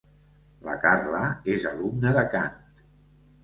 La Carla és alumna de cant.